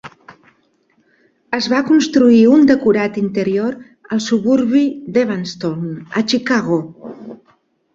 Es va construir un decorat interior al suburbi d'Evanston, a Chicago.